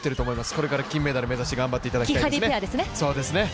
これから金メダル目指して頑張ってもらいたいですね。